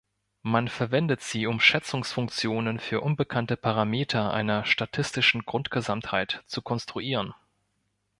Man verwendet sie, um Schätzfunktionen für unbekannte Parameter einer statistischen Grundgesamtheit zu konstruieren.